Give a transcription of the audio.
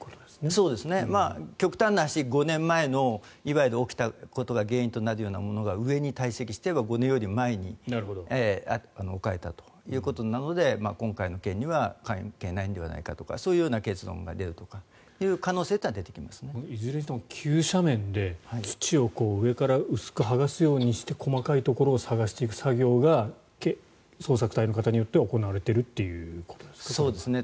そうですね、極端な話５年前のいわゆる起きたことが上にたい積していれば５年より前に置かれたということなので今回の件には関係ないのではないかとかそういう結論が出るという可能性というのはいずれにしても急斜面で土を上から薄く剥がすようにして細かいところを探していく作業が捜索隊の方によって行われているということですね。